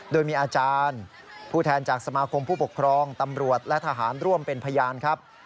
โดยมีอาจารย์ผู้แทนจากสมาคมผู้ปกครองตำรวจและทหารร่วมเป็นพยานครับ